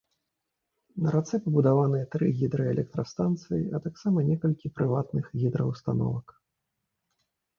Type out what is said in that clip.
На рацэ пабудаваныя тры гідраэлектрастанцыі, а таксама некалькі прыватных гідраўстановак.